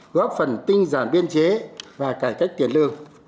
góp phần tinh giản biên chế và cải cách tiền lương